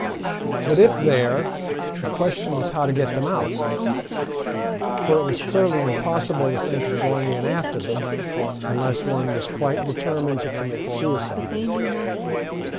But if there, the question was how to get them out; for it was clearly impossible to think of going in after them unless one was quite determined to commit suicide.